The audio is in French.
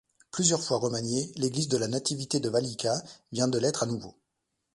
Plusieurs fois remaniée, l'église de la Nativité de Vallica vient de l'être à nouveau.